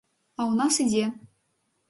А ў нас ідзе.